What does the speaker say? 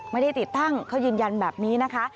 ไม่ได้ติดตั้งเขายืนยันแบบนี้นะคะ